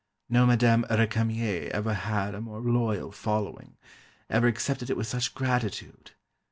No Madame Récamier ever had a more loyal following, ever accepted it with such gratitude.